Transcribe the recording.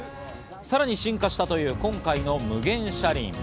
さらに進化したという今回の無限車輪。